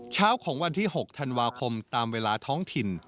เช้าของวันที่๖ธันวาคมตามเวลาท้องถิ่น